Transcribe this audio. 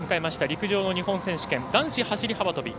陸上の日本選手権男子走り幅跳び。